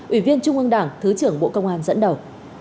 ủy viên trung ương đảng thứ trưởng bộ công an dẫn đầu